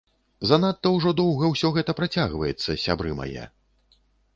Занадта ўжо доўга ўсё гэта працягваецца, сябры мае.